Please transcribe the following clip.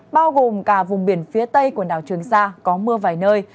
bao gồm cả vùng biển phía tây quần đảo trường sa có mưa vài nơi